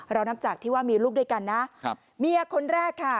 นับจากที่ว่ามีลูกด้วยกันนะครับเมียคนแรกค่ะ